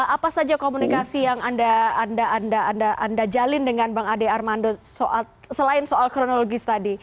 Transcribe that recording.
apa saja komunikasi yang anda jalin dengan bang ade armando selain soal kronologis tadi